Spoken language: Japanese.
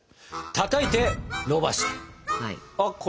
たたいてのばす。